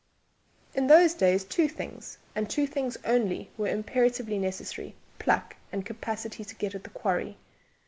In those days two things and two things only were imperatively necessary: pluck and capacity to get at the quarry.